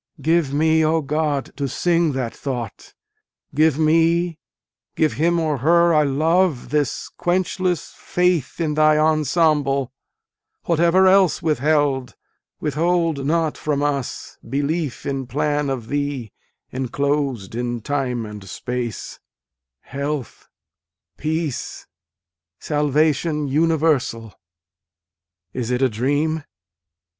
Give me, O God, to sing that thought, Give me, give him or her I love this quenchless faith, In Thy ensemble, whatever else withheld withhold not from us Belief in plan of Thee enclosed in Time and Space, Health, peace, salvation universal. Is it a dream